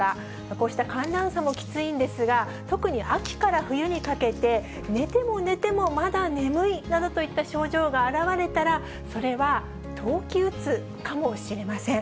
こうした寒暖差もきついんですが、特に秋から冬にかけて、寝ても寝てもまだ眠いなどといった症状が表れたら、それは冬季うつかもしれません。